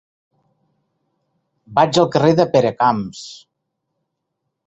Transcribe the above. Vaig al carrer de Peracamps.